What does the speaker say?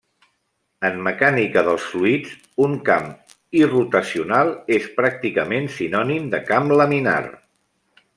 En mecànica dels fluids, un camp irrotacional és pràcticament sinònim de camp laminar.